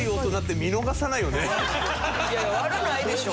いやいや悪ないでしょ。